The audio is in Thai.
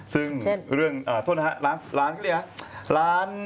ซึ่งเรื่องโทษนะคะร้านร้านร้านคาวแกง